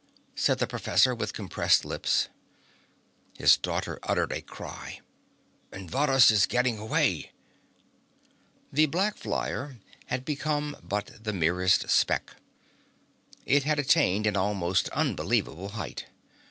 said the professor with compressed lips. His daughter uttered a cry: "And Varrhus is getting away!" The black flyer had become but the merest speck. It had attained an almost unbelievable height.